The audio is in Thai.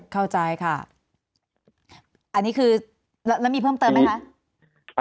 เข้าใจค่ะอันนี้คือแล้วมีเพิ่มเติมไหมคะ